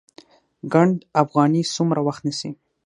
ګنډ افغاني څومره وخت نیسي؟